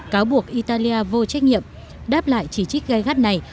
cáo buộc italia vô trách nhiệm đáp lại chỉ trích gây gắt này